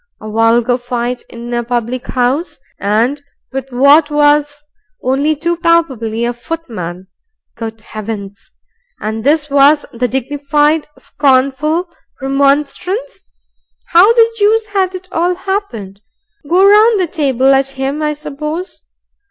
A vulgar fight in a public house, and with what was only too palpably a footman! Good Heavens! And this was the dignified, scornful remonstrance! How the juice had it all happened? Go round the table at him, I suppose.